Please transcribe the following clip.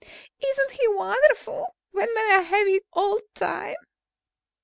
"Isn't he wonderful? When may I have him all the time?"